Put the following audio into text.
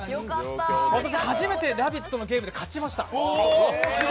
私、初めて「ラヴィット！」のゲームで勝ちました。